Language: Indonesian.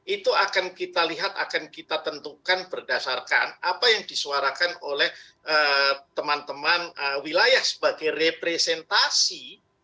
itu akan kita lihat akan kita tentukan berdasarkan apa yang disuarakan oleh teman teman wilayah sebagai representasi